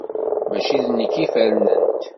Mačči d nekk i fernent.